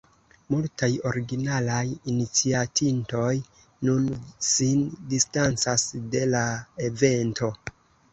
Multaj originalaj iniciatintoj nun sin distancas de la evento.